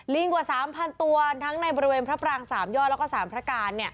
กว่า๓๐๐ตัวทั้งในบริเวณพระปราง๓ยอดแล้วก็๓พระการ